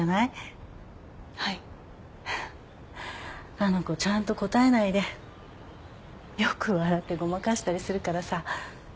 あの子ちゃんと答えないでよく笑ってごまかしたりするからさ。